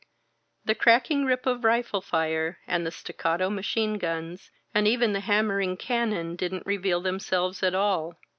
The cracking rip of rifle fire and the staccato machine guns and even the hammering cannon didn't reveal themselves at all.